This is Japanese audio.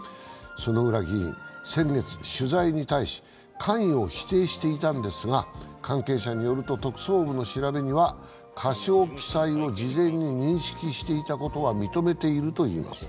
薗浦議員、先月取材に対し関与を否定していたんですが関係者によると特捜部の調べには過少記載を事前に認識していたことは認めているといいます。